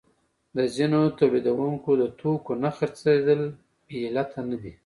د ځینو تولیدونکو د توکو نه خرڅېدل بې علته نه دي